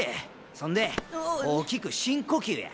そんで大きく深呼吸や！